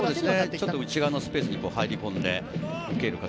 内側のスペースに入り込んで受ける。